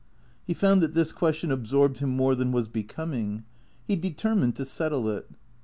He found that this question absorbed him more than was be coming. He determined to settle it.